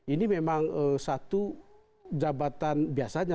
ini memang satu jabatan biasanya